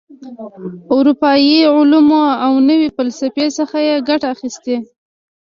اروپايي علومو او نوي فسلفې څخه یې ګټه اخیستې.